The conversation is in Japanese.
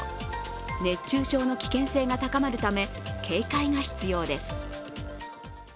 熱中症の危険性が高まるため警戒が必要です。